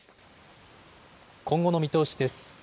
今後の見通しです。